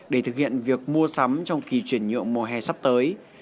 để thực hiện việc mua sắm trong kỳ chuyển nhượng mùa hè sắp tới